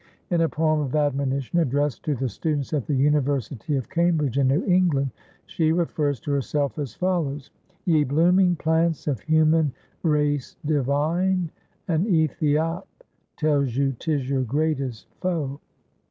In a poem of admonition addressed to the students at the "University of Cambridge in New England" she refers to herself as follows: "Ye blooming plants of human race divine, An Ethiop tells you 'tis your greatest foe."